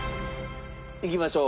いきましょう。